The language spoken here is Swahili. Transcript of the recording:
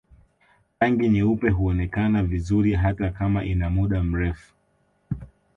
Rangi nyeupe huonekana vizuri hata kama ina muda mrefu